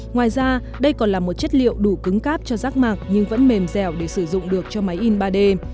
ngoài ra đây còn là một chất liệu đủ cứng cắp cho rác mạc nhưng vẫn mềm dẻo để sử dụng được cho máy in ba d